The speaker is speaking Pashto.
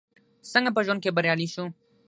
څنګه په ژوند کې بريالي شو ؟